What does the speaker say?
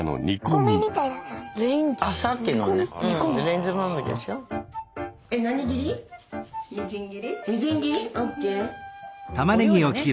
みじん切り。